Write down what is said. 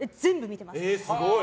すごい。